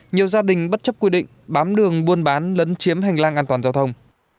nhiều gia đình bất chấp quy định bám đường buôn bán lấn chiếm hành lang an toàn giao thông